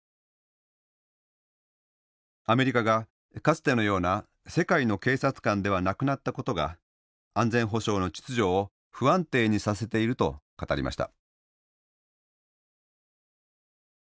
アメリカがかつてのような「世界の警察官」ではなくなったことが安全保障の秩序を不安定にさせていると語りました。